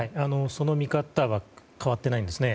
その見方は変わっていないですね。